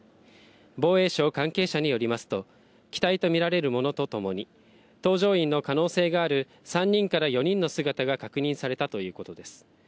防衛省関係者によりますと、機体と見られるものとともに、搭乗員の可能性がある３人から４人の姿が確認されたということです。